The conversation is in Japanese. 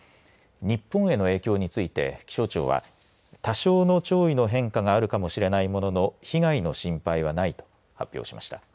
日本への影響について気象庁は多少の潮位の変化があるかもしれないものの被害の心配はないと発表しました。